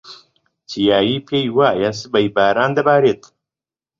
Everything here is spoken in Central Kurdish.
چیایی پێی وایە سبەی باران دەبارێت.